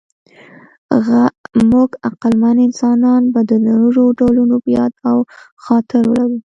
موږ عقلمن انسانان به د نورو ډولونو یاد او خاطره لرو.